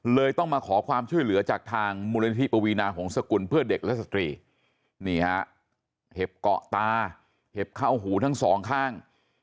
สกุลเพื่อเด็กและสตรีนี่ฮะเห็บเกาะตาเห็บเข้าหูทั้งสองข้าง